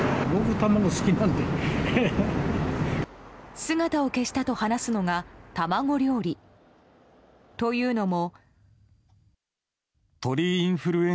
姿を消したと話すのが卵料理。というのも。